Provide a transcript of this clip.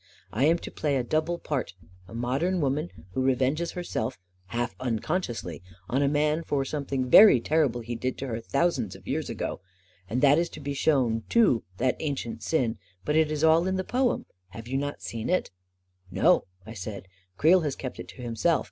44 1 am to play a double part — a modern woman who revenges herself, half unconsciously, on a man for something very terrible he did to her thousands of years ago. And that is to be shown, too — that A KING IN BABYLON 65 ancient sin ; but it is all in the poem. Have you not seen it? " 11 No," I said. " Creel has kept it to himself.